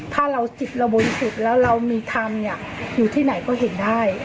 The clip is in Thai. ถ้าเราจิตระบุญสุดแล้วเรามีความอยากอยู่ที่ไหนก็เห็นได้